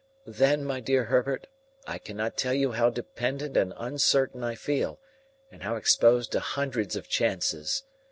"—Then, my dear Herbert, I cannot tell you how dependent and uncertain I feel, and how exposed to hundreds of chances.